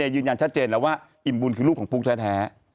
ยืนยันชัดเจนแล้วว่าอิ่มบุญคือลูกของปุ๊กแท้